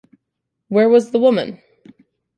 Where was the woman?